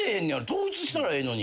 統一したらええのに。